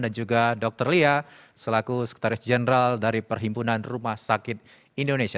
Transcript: dan juga dokter lia selaku sekretaris jeneral dari perhimpunan rumah sakit indonesia